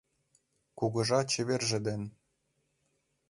Кугыжа чеверже ден.